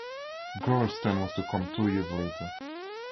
Gorrell's turn was to come two years later.